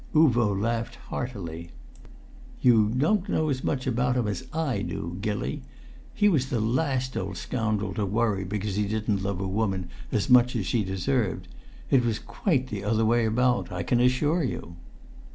Uvo laughed heartily. "You don't know as much about him as I do, Gilly! He was the last old scoundrel to worry because he didn't love a woman as much as she deserved. It was quite the other way about, I can assure you."